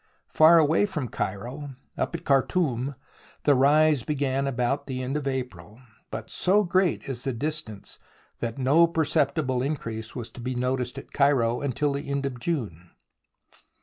Far away from Cairo, up at Khar toum, the rise began about the end of April, but so great is the distance that no perceptible increase was to be noticed at Cairo until the end of June.